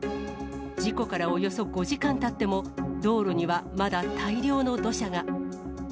事故からおよそ５時間たっても、道路にはまだ大量の土砂が。